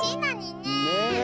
ねえ。